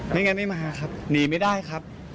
ไม่งั้นไม่มาครับหนีไม่ได้ครับ